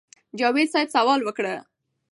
جاوېد صېب سوال وکړۀ